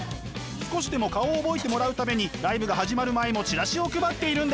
少しでも顔を覚えてもらうためにライブが始まる前もチラシを配っているんです。